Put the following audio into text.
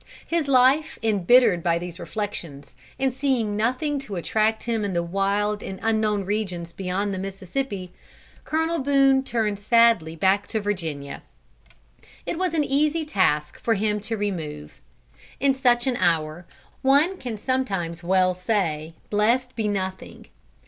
His life embittered by these reflections, and seeing nothing to attract him in the wild and unknown regions beyond the Mississippi, Colonel Boone turned sadly back to Virginia. It was an easy task for him to remove. In such an hour, one can sometimes well say, "Blessed be Nothing."